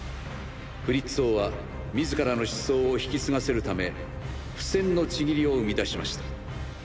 フリッツ王は自らの思想を引き継がせるため「不戦の契り」を生み出しました。